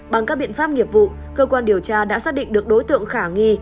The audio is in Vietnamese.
bằng các biện pháp nghiệp vụ cơ quan điều tra đã xác định được đối tượng khả nghi